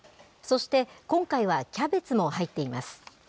そして、今回はキャベツも入っています。